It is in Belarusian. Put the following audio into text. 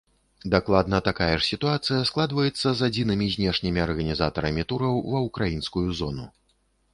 Дакладна такая ж сітуацыя складваецца і з адзінымі знешнімі арганізатарамі тураў ва ўкраінскую зону.